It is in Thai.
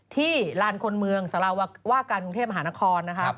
ที่ลานคนเมืองสลาวว่าการกรุงเทพมหานคร